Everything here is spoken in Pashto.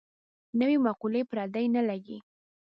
نوې مقولې پردۍ نه لګي.